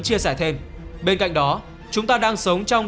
chia sẻ thêm bên cạnh đó chúng ta đang sống trong